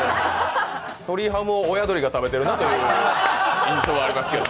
鶏ハムを親鶏が食べてるなという印象はありますけど。